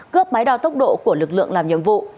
cướp máy đo tốc độ của lực lượng làm nhiệm vụ